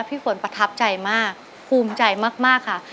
พี่ฝนประทับใจมากภูมิใจมากค่ะ